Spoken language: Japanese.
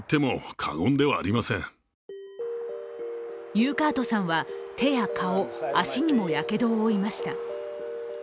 ユーカートさんは、手や顔、足にもやけどを負いました。